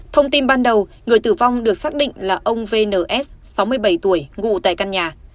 thông tin ban đầu người tử vong được xác định là ông vns sáu mươi bảy tuổi ngụ tại căn nhà